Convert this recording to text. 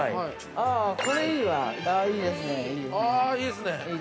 ◆ああ、いいですね。